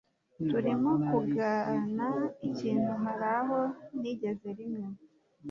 Turimo kugana ikintu Hari aho ntigeze Rimwe